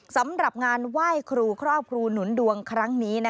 สำหรับงานไหว้ครูครอบครูหนุนดวงครั้งนี้